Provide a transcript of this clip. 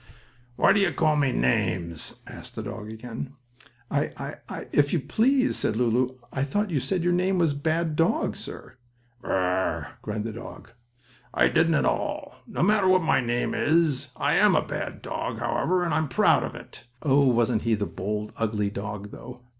"Why do you call me names?" asked the dog again. "I I If you please," said Lulu, "I thought you said your name was Bad Dog, sir." "Bur r r r!" cried the dog. "I didn't at all. No matter what my name is. I am a bad dog, however, and I'm proud of it!" Oh, wasn't he the bold, ugly dog, though?